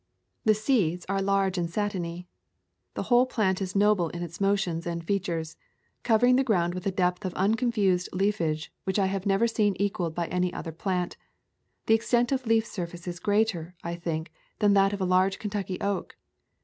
The seeds are large and satiny. The whole plant is noble in its motions and features, covering the ground with a depth of unconfused leafage which I have never seen equaled by any other plant. The extent of leaf surface is greater, I think, than that of a large Kentucky oak.